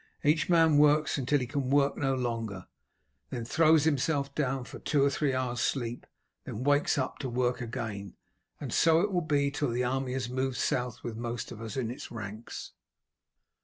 Each man works until he can work no longer, then throws himself down for two or three hours' sleep, and then wakes up to work again; and so it will be till the army has moved south with most of us in its ranks."